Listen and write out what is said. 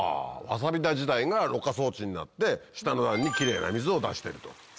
わさび田自体がろ過装置になって下の段にキレイな水を出していると。